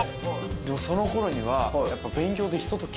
でもそのころには。